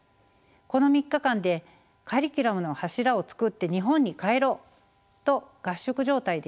この３日間でカリキュラムの柱を作って日本に帰ろう！」と合宿状態でした。